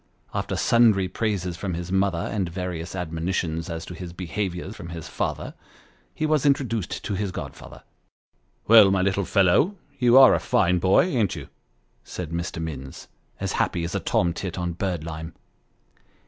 After sundry praises from his mother, and various admonitions as to his behaviour from his father, he was introduced to his godfather. " Well, my little fellow you are a fine boy, ain't you ?" said Mr. Minns, as happy as a tomtit on birdlime.